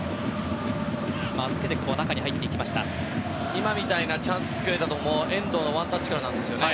今みたいなチャンスを作れたのも遠藤のワンタッチからなんですよね。